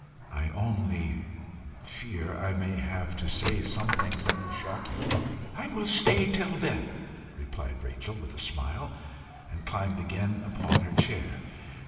I only fear I may have to say some things that will shock you." "I will stay till then," replied Rachel, with a smile, and climbed again upon her chair.